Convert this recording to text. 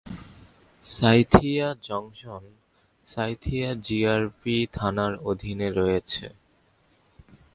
Sainthia junction Sainthia GRP থানার অধীনে রয়েছে।